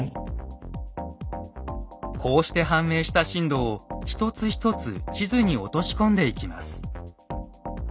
こうして判明した震度を一つ一つ地図に落とし込んでいきます。